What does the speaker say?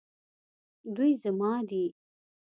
دوی زما دي